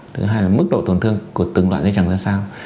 thứ hai là mức độ tổn thương của từng loại dây chẳng ra sao